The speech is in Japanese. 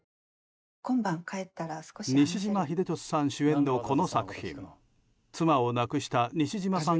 西島秀俊さん主演のこの作品は妻を亡くした西島さん